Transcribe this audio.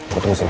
gue tunggu sini